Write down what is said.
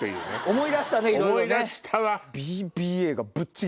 思い出したねいろいろね。